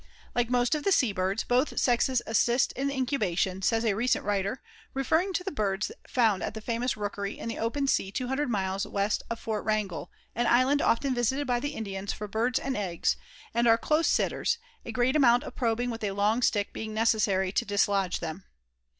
Like most of the sea birds, both sexes assist in incubation, says a recent writer, referring to the birds found at the famous rookery in the open sea two hundred miles west of Fort Wrangell, an island often visited by the Indians for birds and eggs, and are close sitters, a great amount of probing with a long stick being necessary to dislodge them.